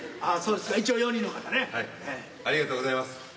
ありがとうございます。